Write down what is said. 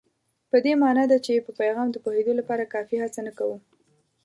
په دې مانا ده چې په پیغام د پوهېدو لپاره کافي هڅه نه کوو.